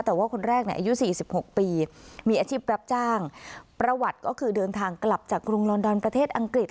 แต่ว่าคนแรกอายุ๔๖ปีมีอาชีพรับจ้างประวัติก็คือเดินทางกลับจากกรุงลอนดอนประเทศอังกฤษ